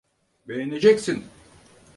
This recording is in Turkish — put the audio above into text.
Beğeneceksin.